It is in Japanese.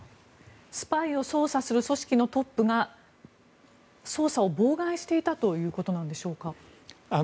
スパイを捜査する組織のトップが捜査を妨害していたということなんでしょうか。